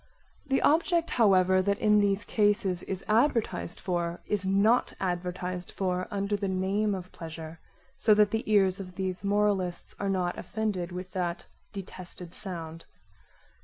The object however that in these cases is advertised for is not advertised for under the name of pleasure, so that the ears of these moralists are not offended with that detested sound.